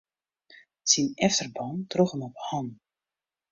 Syn efterban droech him op hannen.